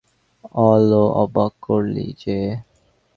ওলো, অবাক করলি যে!